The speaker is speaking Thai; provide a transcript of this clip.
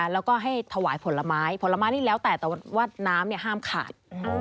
แล้วก็ให้ถวายผลไม้ผลไม้นี่แล้วแต่แต่ว่าน้ำห้ามขาด